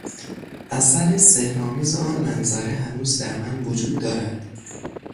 اثر سحرآمیز آن منظره هنوز در من وجود دارد.